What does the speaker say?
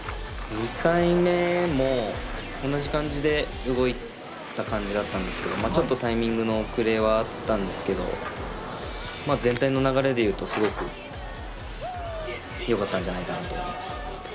２回目も同じ感じで動いた感じだったんですけどちょっとタイミングの遅れはあったんですけど全体の流れで言うと、すごくよかったんじゃないかと思います。